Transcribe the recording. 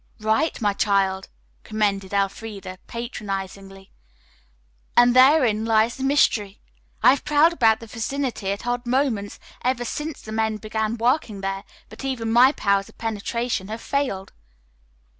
"Right, my child," commended Elfreda patronizingly, "and therein lies the mystery. I have prowled about the vicinity at odd moments ever since the men began working there, but even my powers of penetration have failed."